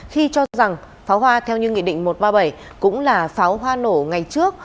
khi cho rằng pháo hoa theo như nghị định một trăm ba mươi bảy cũng là pháo hoa nổ ngày trước